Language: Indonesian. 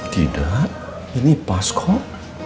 tidak ini pas kok